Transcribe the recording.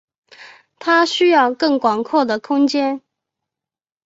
他需要更广阔的空间。